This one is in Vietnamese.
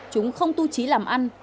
chúng không tu trí làm ăn